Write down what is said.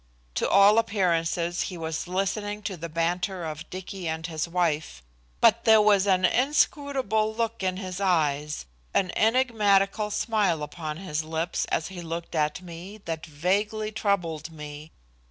To all appearances he was listening to the banter of Dicky and his wife, but there was an inscrutable look in his eyes, an enigmatical smile upon his lips, as he looked at me that vaguely troubled me.